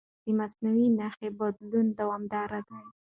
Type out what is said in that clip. د مصنوعي نښې بدلون دوامداره دی.